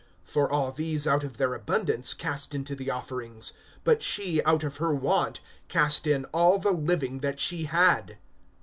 (4)For all these, out of their abundance, cast into the offerings; but she, out of her want, cast in all the living that she had.